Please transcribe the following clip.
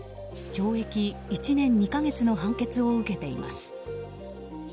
懲役１年２か月の判決を受けています。